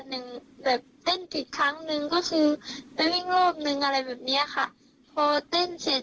หนึ่งแบบเต้นอีกครั้งหนึ่งก็คือไปวิ่งรอบหนึ่งอะไรแบบเนี้ยค่ะพอเต้นเสร็จ